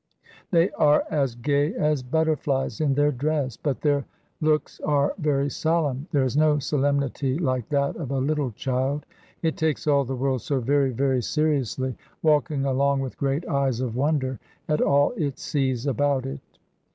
They are as gay as butterflies in their dress, but their looks are very solemn. There is no solemnity like that of a little child; it takes all the world so very, very seriously, walking along with great eyes of wonder at all it sees about it.